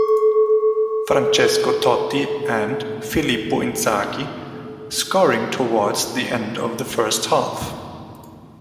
Francesco Totti and Filippo Inzaghi scoring towards the end of the first half.